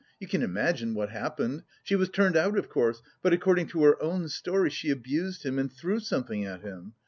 You can imagine what happened. She was turned out, of course; but, according to her own story, she abused him and threw something at him.